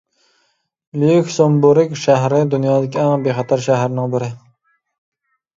لىيۇكسېمبۇرگ شەھىرى دۇنيادىكى ئەڭ بىخەتەر شەھەرنىڭ بىرى.